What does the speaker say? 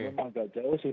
yang memang nggak jauh sih